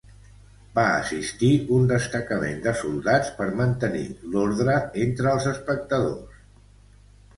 Va assistir un destacament de soldats per mantenir l'ordre entre els espectadors.